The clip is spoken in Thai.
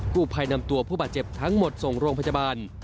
ผู้ภัยนำตัวผู้บาดเจ็บทั้งหมดส่งโรงพยาบาล